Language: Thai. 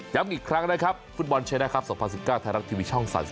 อีกครั้งนะครับฟุตบอลเชียร์นะครับ๒๐๑๙ไทยรัฐทีวีช่อง๓๒